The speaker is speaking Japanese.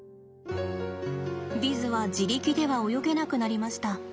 ヴィズは自力では泳げなくなりました。